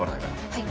はい。